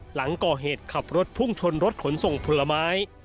หลังก่อเหตุขับรถพุ่งชนรถขนส่งผลไม้